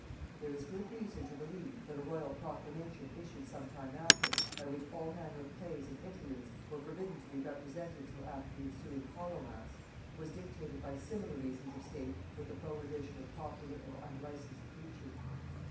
There is good reason to believe, that a royal proclamation issued some time after, by which all manner of plays and interludes were forbidden to be represented till after the ensuing hallowmass, was dictated by similar reasons of state with the prohibition of popular and unlicensed preaching.